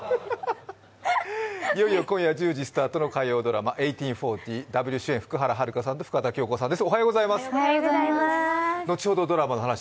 いよいよ今夜１０時スタートの火曜ドラマ「１８／４０」ダブル主演の福原遥さんと深田恭子さんです。